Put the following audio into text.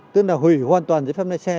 tức là hủy hoàn toàn giấy phép lái xe